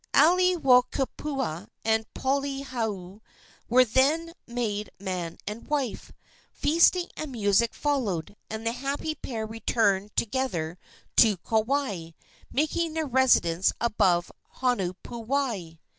Aiwohikupua and Poliahu were then made man and wife. Feasting and music followed, and the happy pair returned together to Kauai, making their residence above Honopuwai.